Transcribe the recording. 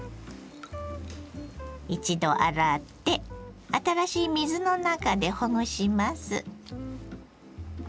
一度洗って新しい水の中でほぐします。